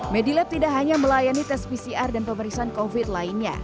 medilab tidak hanya melayani tes pcr dan pemeriksaan covid lainnya